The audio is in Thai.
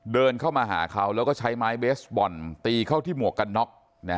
เดินเข้ามาหาเขาแล้วก็ใช้ไม้เบสบอลตีเข้าที่หมวกกันน็อก